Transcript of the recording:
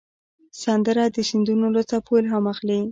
سندره د سیندونو له څپو الهام اخلي